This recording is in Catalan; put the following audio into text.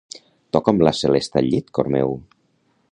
Toca'm la celesta al llit, cor meu.